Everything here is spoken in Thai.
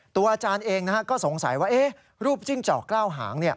ตัวอาจารย์เองนะฮะก็สงสัยว่ารูปจิ้งเจาะเก้าหาง